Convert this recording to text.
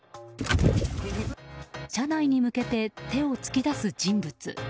車内に向けて手を突き出す人物。